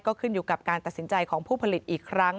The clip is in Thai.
ก็ขึ้นอยู่กับการตัดสินใจของผู้ผลิตอีกครั้ง